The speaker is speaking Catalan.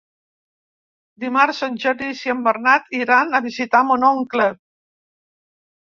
Dimarts en Genís i en Bernat iran a visitar mon oncle.